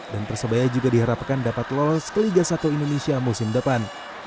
dan persebaya juga diharapkan dapat lolos ke liga satu indonesia musim depan